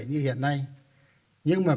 như hiện nay nhưng mà